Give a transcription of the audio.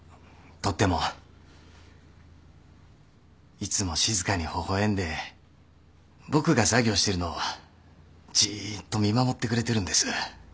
いつも静かにほほ笑んで僕が作業してるのをじーっと見守ってくれてるんです。